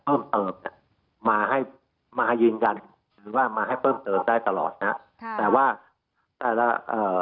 เพิ่มเติมเนี้ยมาให้มายืนยันหรือว่ามาให้เพิ่มเติมได้ตลอดนะฮะค่ะแต่ว่าอ่าเอ่อ